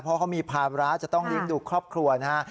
เพราะเขามีภาระจะต้องเลี้ยงดูครอบครัวนะฮะ